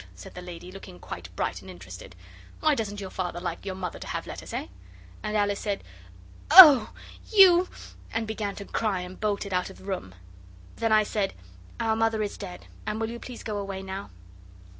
said the lady, looking quite bright and interested. 'Why doesn't your Father like your Mother to have letters eh?' And Alice said, 'OH, you...!' and began to cry, and bolted out of the room. Then I said, 'Our Mother is dead, and will you please go away now?